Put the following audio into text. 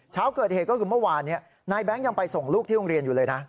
เช้าเกิดเหตุก็คือเมื่อวานนี้นายแบงค์ยังไปส่งลูกที่โรงเรียนอยู่เลยนะ